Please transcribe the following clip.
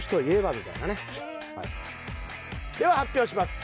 では発表します。